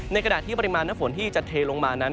ขณะที่ปริมาณน้ำฝนที่จะเทลงมานั้น